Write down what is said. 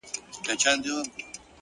خپل ژوند د ارزښت وړ اثر وګرځوئ